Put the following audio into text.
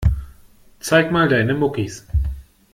Zeig mal deine Muckis.